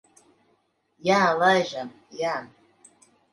Jā, laižam. Jā.